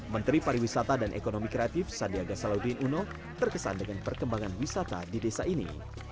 menteri pariwisata dan ekonomi kreatif sandiaga salahuddin uno terkesan dengan perkembangan wisata di desa ini